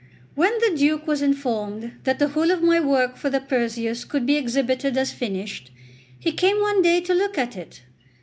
XC WHEN the Duke was informed that the whole of my work for the Perseus could be exhibited as finished, he came one day to look at it.